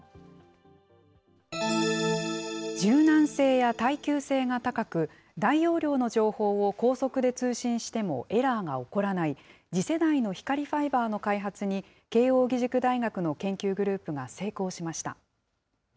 柔軟性や耐久性が高く、大容量の情報を高速で通信してもエラーが起こらない次世代の光ファイバーの開発に、慶應義塾大学の研究グループが成功しました。